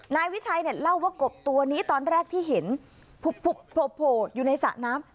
นายวิชัยเนี่ยเล่าว่ากบตัวนี้ตอนแรกที่เห็นโผล่อยู่ในสระน้ำ